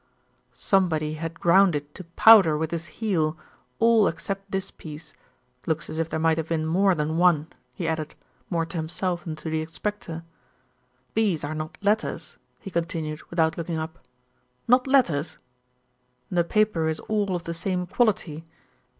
"Somebody had ground it to powder with his heel, all except this piece. Looks as if there might have been more than one," he added more to himself than to the inspector. "These are not letters," he continued without looking up. "Not letters?" "The paper is all of the same quality.